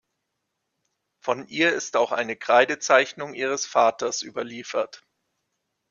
Von ihr ist auch eine Kreidezeichnung ihres Vaters überliefert.